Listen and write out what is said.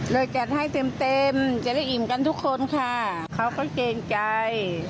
จัดให้เต็มเต็มจะได้อิ่มกันทุกคนค่ะเขาก็เกรงใจ